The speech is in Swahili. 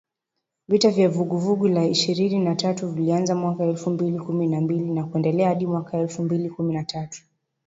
Vita vya Vuguvugu la Ishirini na tatu vilianza mwaka elfu mbili kumi na mbili na kuendelea hadi mwaka elfu mbili kumi na tatu